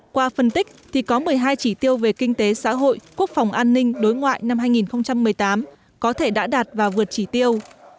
qua phân tích thì có một mươi hai chỉ tiêu về kinh tế xã hội quốc phòng an ninh đối ngoại năm hai nghìn một mươi tám có thể đã đạt và vượt chỉ tiêu